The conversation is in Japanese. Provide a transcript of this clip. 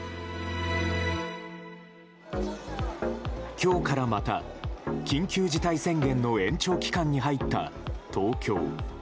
今日からまた緊急事態宣言の延長期間に入った東京。